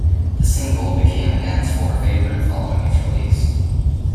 The single became a dancefloor favorite following its release.